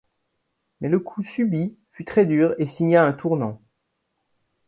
Mais le coup subi fut très dure et signa un tournant.